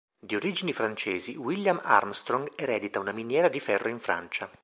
Di origini francesi, William Armstrong eredita una miniera di ferro in Francia.